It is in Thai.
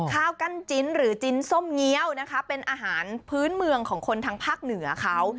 ข้าวกั้นจิ้นหรือจิ้นส้มเงี้ยวนะคะเป็นอาหารพื้นเมืองของคนทางภาคเหนือเขา